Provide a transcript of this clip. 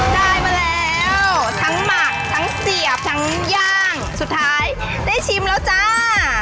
ได้มาแล้วทั้งหมักทั้งเสียบทั้งย่างสุดท้ายได้ชิมแล้วจ้า